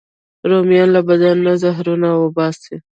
رومیان له بدن نه زهرونه وباسي